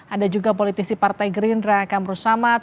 ada juga politisi partai gerindra kamru samad